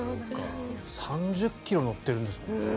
３０ｋｇ乗ってるんですもんね。